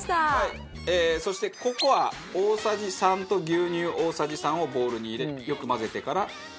そしてココア大さじ３と牛乳大さじ３をボウルに入れよく混ぜてから６００